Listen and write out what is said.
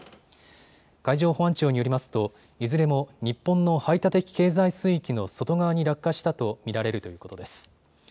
海上保安庁によりますといずれも日本の排他的経済水域の外側に落下したと見られるということです。